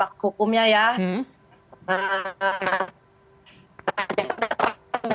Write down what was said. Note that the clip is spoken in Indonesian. ada kabar hukumnya di situ di kerenyataan di situ kami juga sudah beri